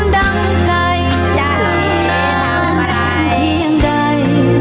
ดั่งใจอย่างใด